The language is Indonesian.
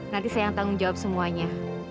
nanti saya yang tanggung jawab semuanya